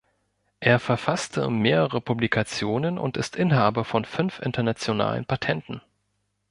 Er verfasste mehrere Publikationen und ist Inhaber von fünf internationalen Patenten.